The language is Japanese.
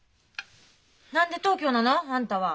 何で東京なの？あんたは。